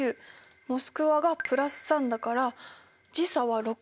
モスクワが＋３だから時差は６。